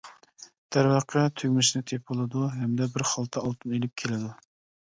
دەرۋەقە تۈگمىسىنى تېپىۋالىدۇ ھەمدە بىر خالتا ئالتۇن ئېلىپ كېلىدۇ.